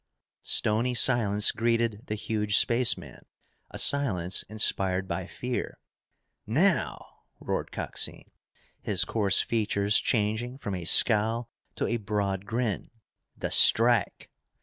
_" Stony silence greeted the huge spaceman, a silence inspired by fear. "Now!" roared Coxine, his coarse features changing from a scowl to a broad grin. "The strike!"